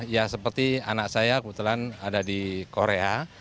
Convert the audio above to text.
ya seperti anak saya kebetulan ada di korea